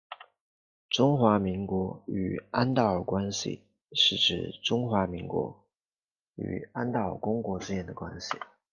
中华民国与安道尔关系是指中华民国与安道尔公国之间的关系。